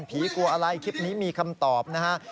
กลัวอะไรคลิปนี้มีคำตอบนะฮะ